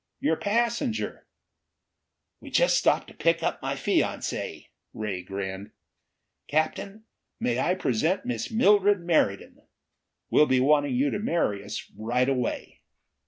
Your passenger " "We just stopped to pick up my fiancee," Ray grinned. "Captain, may I present Miss Mildred Meriden? We'll be wanting you to marry us right away."